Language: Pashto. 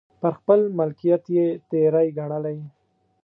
پر خپل ملکیت یې تېری ګڼلی.